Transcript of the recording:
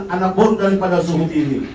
anak buruk daripada suhut ini